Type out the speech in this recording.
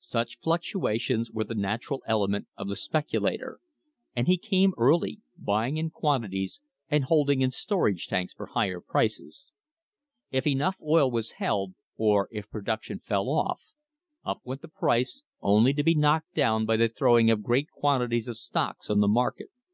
Such fluctuations were the natural element of the speculator, and he came early, buying in quantities and THE HISTORY OF THE STANDARD OIL COMPANY holding in storage tanks for higher prices. If enough oil was held, or if the production fell off, up went the price, only to be knocked down by the throwing of great quantities of stocks on the market.